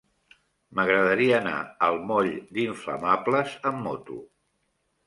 M'agradaria anar al moll d'Inflamables amb moto.